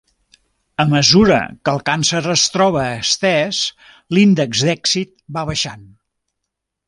A mesura que el càncer es troba estès l'índex d'èxit va baixant.